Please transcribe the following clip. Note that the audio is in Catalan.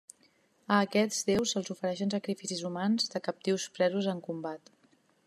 A aquests déus se'ls oferien sacrificis humans de captius presos en combat.